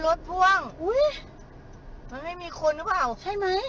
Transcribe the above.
เหมือนไม่มีคนรึเปล่า